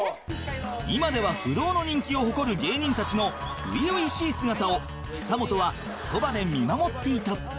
今では不動の人気を誇る芸人たちの初々しい姿を久本はそばで見守っていた